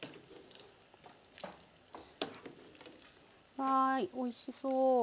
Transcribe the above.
はいおいしそう。